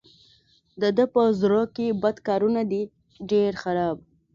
د ده په زړه کې بد کارونه دي ډېر خراب.